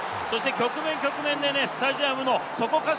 局面局面でスタジアムのそこかし